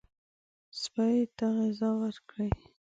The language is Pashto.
سپي ته غذا ورکړئ.